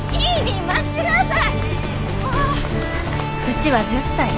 うちは１０歳。